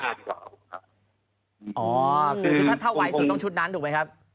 คือถ้าไหวสุดต้องชุดนั้นถูกไหมครับ